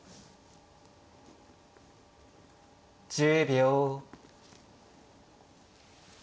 １０秒。